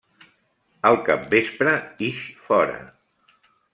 Al capvespre ix fora.